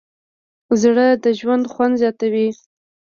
زړه د ژوند خوند زیاتوي.